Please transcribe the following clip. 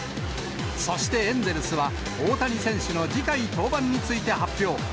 そしてエンゼルスは大谷選手の次回登板について発表。